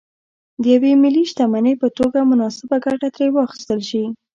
د یوې ملي شتمنۍ په توګه مناسبه ګټه ترې واخیستل شي.